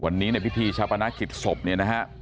วันนี้ในพิธีชาปนกิจศพเนี่ยนะฮะ